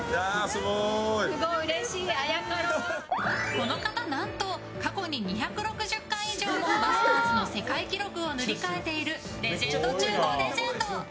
この方、何と過去に２６０回以上もマスターズの世界記録を塗り替えているレジェンド中のレジェンド。